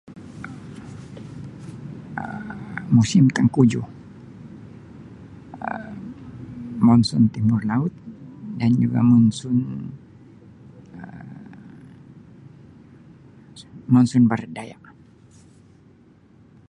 Um Musim tengkujuh Um monson timur laut dan juga monson Um monson barat daya.